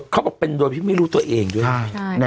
เขาบอกเป็นโดยที่ไม่รู้ตัวเองด้วย